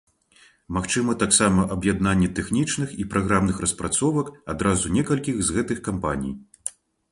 Магчыма таксама аб'яднанне тэхнічных і праграмных распрацовак адразу некалькіх з гэтых кампаній.